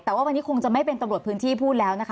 แต่ว่าวันนี้คงจะไม่เป็นตำรวจพื้นที่พูดแล้วนะคะ